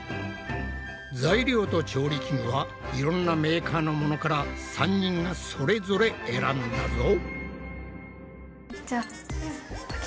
材料と調理器具はいろんなメーカーのものから３人がそれぞれ選んだぞ。